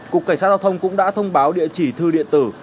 cục cảnh sát giao thông cũng đã thông báo địa chỉ thư điện tử